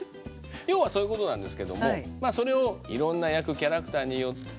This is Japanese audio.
要はそういうことなんですけどもキャラクターによって。